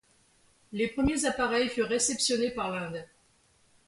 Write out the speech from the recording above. Les premiers appareils furent réceptionnés par l'Inde.